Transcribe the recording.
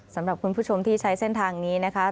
สำหรับคุณผู้ชมที่ใช้เส้นทางนี้นะคะ